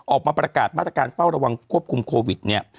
ออกมาประกาศมาตรการเฝ้าระวังควบคุมโควิดเนี่ย